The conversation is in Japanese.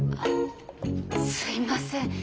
すいません。